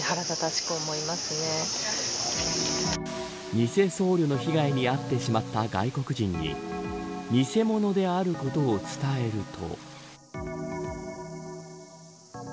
偽僧侶の被害に遭ってしまった外国人に偽物であることを伝えると。